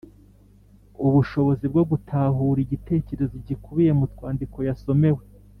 Ubushobozi bwo gutahura igitekerezo gikubiye mu twandiko yasomewe.